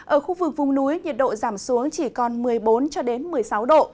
ở khu vực vùng núi nhiệt độ giảm xuống chỉ còn một mươi bốn một mươi sáu độ